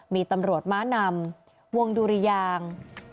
มีตำรวจม้านำวงดุริยาง